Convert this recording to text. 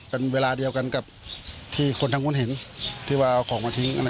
เป็นเวลาเดียวกันกับที่คนทางนู้นเห็นที่ว่าเอาของมาทิ้ง